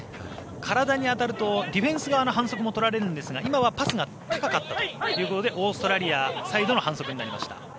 体に当たるとディフェンス側の反則も取られるんですが今はパスが高かったということでオーストラリアサイドの反則になりました。